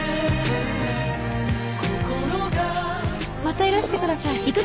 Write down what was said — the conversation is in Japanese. またいらしてください。